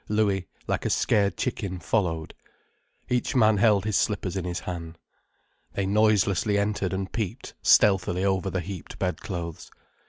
Louis, like a scared chicken, followed. Each man held his slippers in his hand. They noiselessly entered and peeped stealthily over the heaped bedclothes.